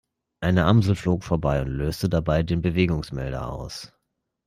Eine Amsel flog vorbei und löste dabei den Bewegungsmelder aus.